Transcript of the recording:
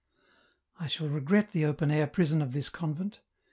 " I shall regret the open air prison of this convent.